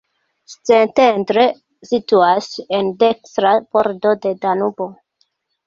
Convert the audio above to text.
Szentendre situas en dekstra bordo de Danubo.